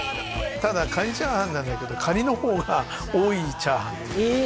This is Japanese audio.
ただカニチャーハンなんだけどカニの方が多いチャーハンっていうえ